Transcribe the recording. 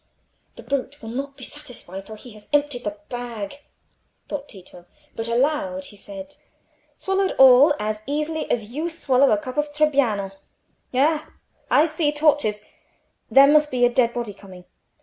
"The brute will not be satisfied till he has emptied the bag," thought Tito: but aloud he said,—"Swallowed all as easily as you swallow a cup of Trebbiano. Ha! I see torches: there must be a dead body coming.